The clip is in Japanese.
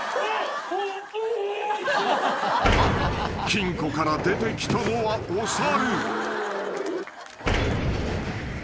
［金庫から出てきたのはお猿］